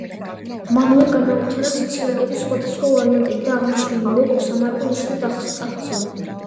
მანვე განავითარა სიცილაკების სხვადასხვა ვარიანტები და აღნიშნული ლოგო სამარკო ნიშნად აქცია.